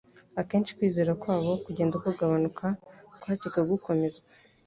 Akenshi kwizera kwabo kugenda kugabanuka kwajyaga gukomezwa